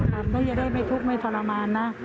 หลับแล้วยังได้ไม่ทุกข์ไม่ทรมานนะ